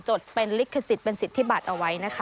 จดเป็นลิขสิทธิบัตรเอาไว้นะคะ